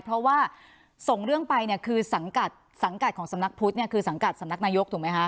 เพราะว่าส่งเรื่องไปเนี่ยคือสังกัดสังกัดของสำนักพุทธเนี่ยคือสังกัดสำนักนายกถูกไหมคะ